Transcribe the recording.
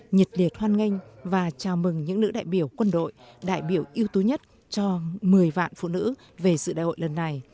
nhiệt liệt hoan nghênh và chào mừng những nữ đại biểu quân đội đại biểu ưu tú nhất cho một mươi vạn phụ nữ về sự đại hội lần này